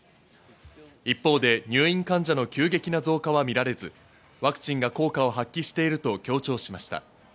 一方で入院患者の急激な増加は見られず、ワクチンが効果を発揮していると強調しました。